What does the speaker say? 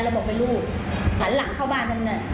เราบอกว่าเป็นลูกผ่านหลังเข้าบ้านตรงนั้นเนี่ย